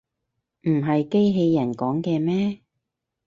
唔係機器人講嘅咩